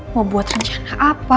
mau buat rencana apa